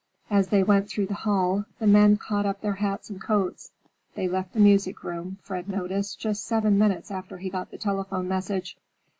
As they went through the hall, the men caught up their hats and coats. They left the music room, Fred noticed, just seven minutes after he got the telephone message.